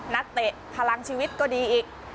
เตะพลังชีวิตก็ดีอีก